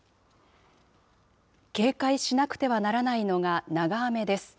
警戒しなくてはならないのが長雨です。